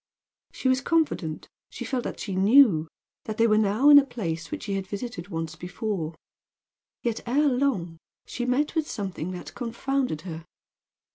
She was confident she felt that she knew that they were now in a place which she had visited once before; yet, ere long, she met with something that confounded her.